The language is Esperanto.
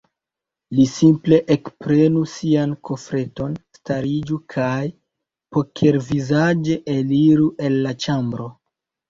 Li simple ekprenu sian kofreton, stariĝu kaj pokervizaĝe eliru el la ĉambro.